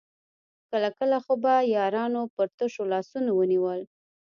کله کله خو به يارانو پر تشو لاسونو ونيول.